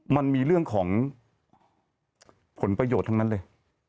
มันมีเรื่องของผลประโยชน์ทั้งนั้นเลย